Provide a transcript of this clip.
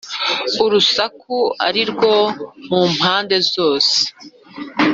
urusaku ari rwose mu mpande zose,